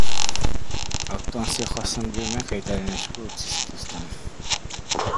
Autoan zihoazen bi umeak aitaren esku utzi zituzten.